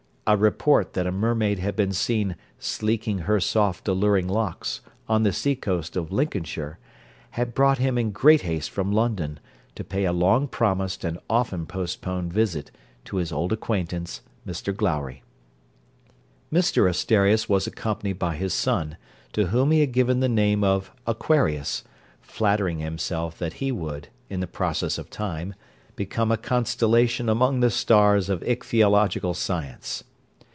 A report that a mermaid had been seen 'sleeking her soft alluring locks' on the sea coast of Lincolnshire, had brought him in great haste from London, to pay a long promised and often postponed visit to his old acquaintance, Mr Glowry. Mr Asterias was accompanied by his son, to whom he had given the name of Aquarius flattering himself that he would, in the process of time, become a constellation among the stars of ichthyological science.